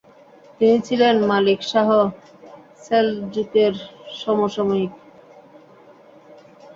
তিনি ছিলেন Malik Shah সেলজুকের সমসাময়িক।